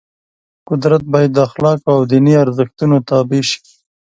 قدرت باید د اخلاقو او دیني ارزښتونو تابع شي.